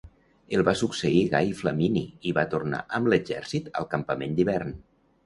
El va succeir Gai Flamini i va tornar amb l'exèrcit al campament d'hivern.